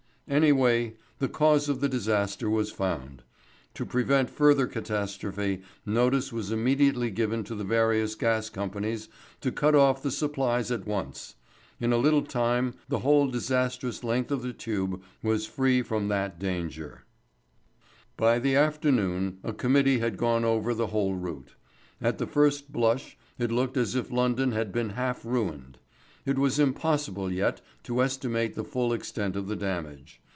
Anyway, the cause of the disaster was found. To prevent further catastrophe notice was immediately given to the various gas companies to cut off the supplies at once. In a little time the whole disastrous length of the tube was free from that danger. By the afternoon a committee had gone over the whole route. At the first blush it looked as if London had been half ruined. It was impossible yet to estimate the full extent of the damage.